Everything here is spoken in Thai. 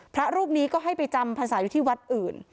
พระรูปนี้ก็ให้ไปจำพรรษาอยู่ที่วัดอื่น